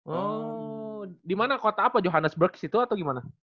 oh di mana kota apa johannesburg situ atau gimana